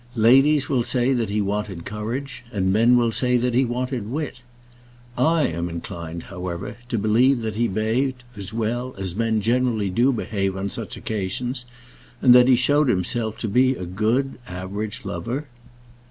Ladies will say that he wanted courage, and men will say that he wanted wit. I am inclined, however, to believe that he behaved as well as men generally do behave on such occasions, and that he showed himself to be a good average lover.